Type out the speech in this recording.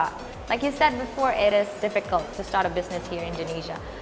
seperti yang anda katakan sebelumnya ini sulit untuk memulai bisnis di indonesia